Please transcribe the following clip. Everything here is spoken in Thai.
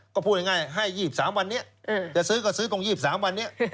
ก็พูดง่ายให้๒๓วันนี้จะซื้อก็ซื้อตรง๒๓วันนี้